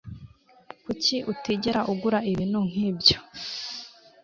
Kuki utigera ugura ibintu nkibyo?